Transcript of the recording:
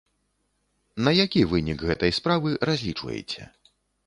На які вынік гэтай справы разлічваеце?